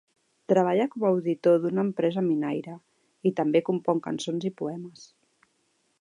Treballa com a auditor d'una empresa minaire, i també compon cançons i poemes.